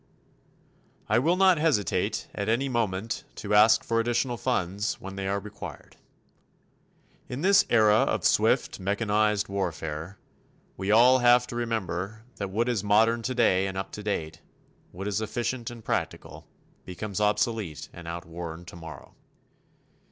I will not hesitate at any moment to ask for additional funds when they are required. In this era of swift, mechanized warfare, we all have to remember that what is modern today and up to date, what is efficient and practical, becomes obsolete and outworn tomorrow.